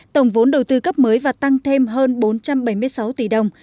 tổng vốn đầu tư cấp mới và tăng thêm hơn bốn trăm bảy mươi sáu tỷ đồng